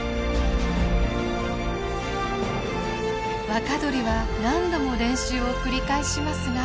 若鳥は何度も練習を繰り返しますが。